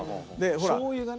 しょう油がね。